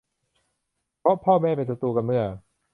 เพราะพ่อแม่เป็นศัตรูกันเมื่อ